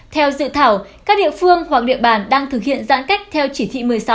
theo dự thảo các địa phương hoặc địa bàn đang thực hiện giãn cách theo chỉ thị một mươi sáu